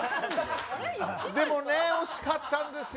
でも惜しかったんですよ。